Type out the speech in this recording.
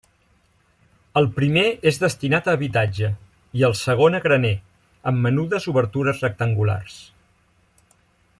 El primer és destinat a habitatge i el segon a graner amb menudes obertures rectangulars.